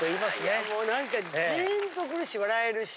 いやもう何かジーンとくるし笑えるし。